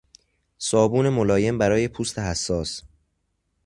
صابون ملایم برای پوست حساس